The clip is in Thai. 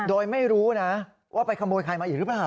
โดยไม่รู้นะว่าไปขโมยใครมาอีกหรือเปล่า